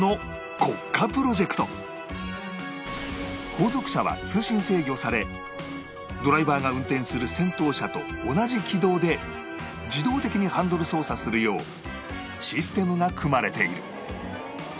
後続車は通信制御されドライバーが運転する先頭車と同じ軌道で自動的にハンドル操作するようシステムが組まれている